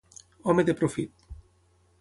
Home de profit.